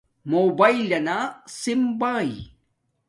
موباݵلنا سم باݵی